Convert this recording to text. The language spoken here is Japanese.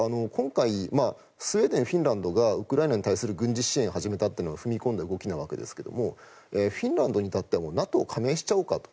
今回、スウェーデンフィンランドがウクライナに対する軍事支援を始めたのは踏み込んだ動きのわけですがフィンランドに至ってはＮＡＴＯに加盟しちゃおうか。